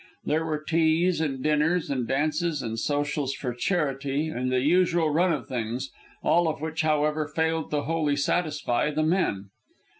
There were teas, and dinners, and dances, and socials for charity, and the usual run of things; all of which, however, failed to wholly satisfy the men.